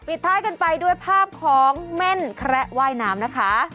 ท้ายกันไปด้วยภาพของแม่นแคระว่ายน้ำนะคะ